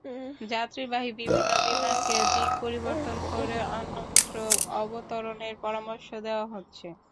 যাত্রীবাহী বিভিন্ন বিমানকে দিক পরিবর্তন করে অন্যত্র অবতরণের পরামর্শ দেওয়া হচ্ছে।